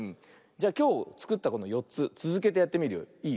じゃきょうつくったこの４つつづけてやってみるよ。いい？